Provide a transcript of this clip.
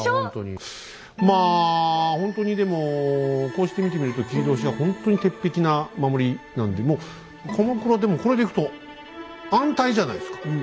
まあほんとにでもこうして見てみると切通はほんとに鉄壁な守りなんでもう鎌倉でもこれでいくと安泰じゃないですか。